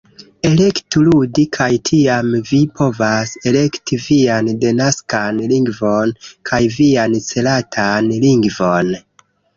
Elektu "ludi" kaj tiam vi povas elekti vian denaskan lingvon kaj vian celatan lingvon